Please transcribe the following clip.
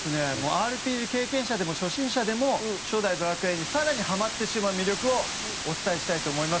ＲＰＧ経験者でも初心者でも初代『ドラクエ』にさらにハマってしまう魅力をお伝えしたいと思います。